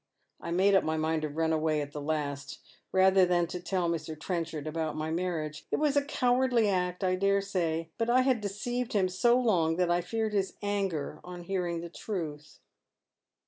I made up my mind to run away at the last rather than to tell Mr. Trenchard about my marriage. It was a cowardly act, I dare say, but I had deceived him so long that I feared his anger on hearing the truth."